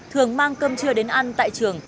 thường mang cơm trưa đến ăn tại trường